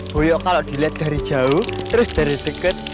boyok kalau dilihat dari jauh terus dari deket